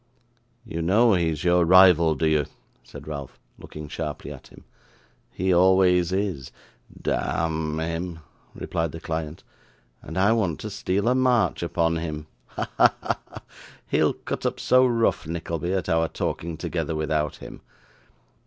'You know he is your rival, do you?' said Ralph, looking sharply at him. 'He always is, d a amn him,' replied the client; 'and I want to steal a march upon him. Ha, ha, ha! He'll cut up so rough, Nickleby, at our talking together without him.